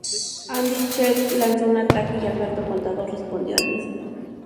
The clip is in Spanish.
Andy Schleck lanzó un ataque y Alberto Contador respondió al mismo.